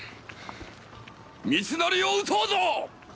三成を討とうぞ！